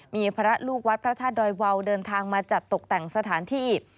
มีพระลูกวัดพระธาตุดอยวาวเดินทางมาจัดตกแต่งสถานที่